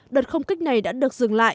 đợt không kích này đã được dừng lại